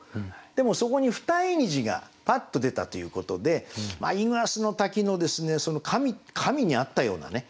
でもそこに二重虹がパッと出たということでイグアスの滝の神に会ったようなね